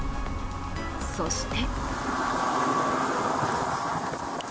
そして。